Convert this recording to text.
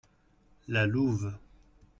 La louve.